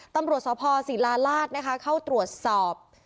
ตำรวจสภศิลาราชนะคะเข้าตรวจสอบ